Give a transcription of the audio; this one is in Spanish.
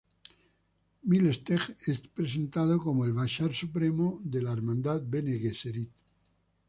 Miles Teg es presentado como el Bashar Supremo de la Hermandad Bene Gesserit.